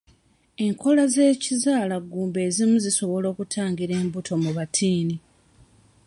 Enkola z'ekizaala ggumba ezimu zisobola okutangira embuto mu battiini.